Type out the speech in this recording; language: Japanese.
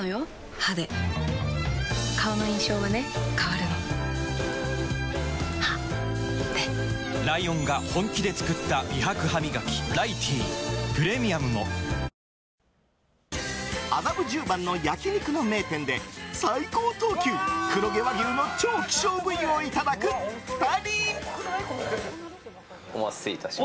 歯で顔の印象はね変わるの歯でライオンが本気で作った美白ハミガキ「ライティー」プレミアムも麻布十番の焼き肉の名店で最高等級、黒毛和牛の超希少部位をいただく２人。